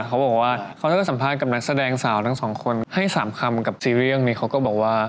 เขาบอกว่าเขาน่าจะสัมภาษณ์กับนักแสดงสาวทั้งสองคนให้๓คำกับซีเรียสนี้เขาก็บอกว่า